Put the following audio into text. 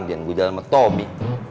biarin gue jalan sama tobi